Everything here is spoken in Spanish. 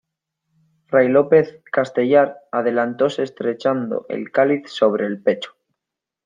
fray Lope Castellar adelantóse estrechando el cáliz sobre el pecho: